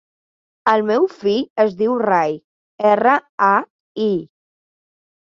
El meu fill es diu Rai: erra, a, i.